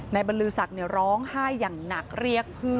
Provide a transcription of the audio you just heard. บรรลือศักดิ์ร้องไห้อย่างหนักเรียกเพื่อน